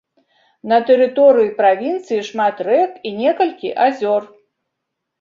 На тэрыторыі правінцыі шмат рэк і некалькі азёр.